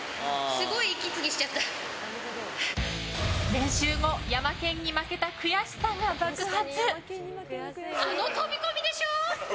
練習後、ヤマケンに負けた悔しさが爆発。